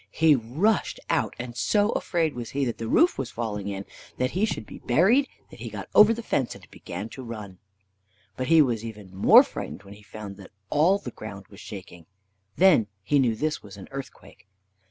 He rushed out, and so afraid was he that the roof was falling in, and that he should be buried, that he got over the fence and began to run. But he was even more frightened when he found that all the ground was shaking. Then he knew that this was an earthquake.